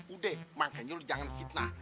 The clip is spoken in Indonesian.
udah makanya lu jangan fitnah